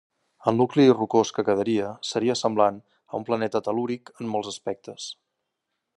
El nucli rocós que quedaria seria semblant a un planeta tel·lúric en molts aspectes.